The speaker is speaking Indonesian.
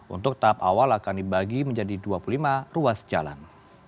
untuk tahap awal akan dibagi menjadi dua puluh lima ruas jalan